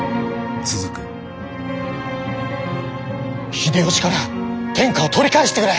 秀吉から天下を取り返してくれ！